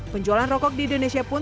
penjualan rokok di indonesia pun